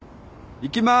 いきます。